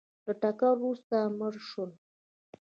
له ټکر وروسته مړه شول